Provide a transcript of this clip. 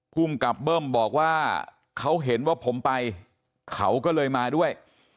ภูมิกับเบิ้มบอกว่าเขาเห็นว่าผมไปเขาก็เลยมาด้วย